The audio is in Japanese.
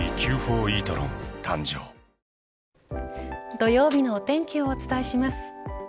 土曜日のお天気をお伝えします。